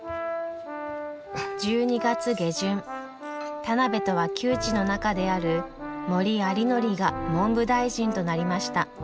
１２月下旬田邊とは旧知の仲である森有礼が文部大臣となりました。